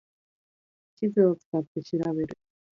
地図を使って調べる